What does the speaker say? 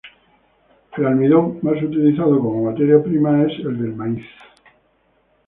El almidón más utilizado como materia prima es el del maíz.